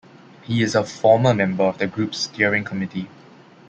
He is a former member of the group's Steering Committee.